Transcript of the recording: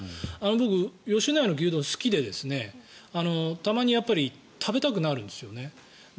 僕、吉野家の牛丼、好きでたまにやっぱり食べたくなるんですよね。